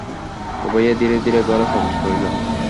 উভয়ে ধীরে ধীরে ঘরে প্রবেশ করিল।